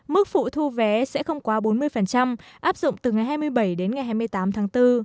mức phụ thu vé sẽ không quá bốn mươi áp dụng từ ngày hai mươi bảy đến ngày hai mươi tám tháng bốn